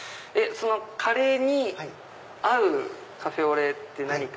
そのカレーに合うカフェオレって何か。